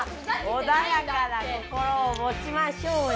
おだやかな心をもちましょうよ！